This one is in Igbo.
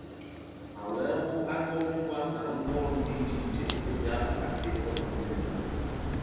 ha wee hụ akụrụngwa na ngwaọrụ dị iche-iche o ji akpàkasị ụlọ ndị mmadụ